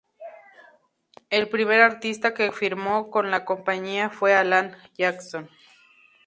El primer artista que firmó con la compañía fue Alan Jackson.